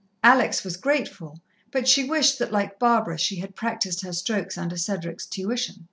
Alex was grateful, but she wished that, like Barbara, she had practised her strokes under Cedric's tuition.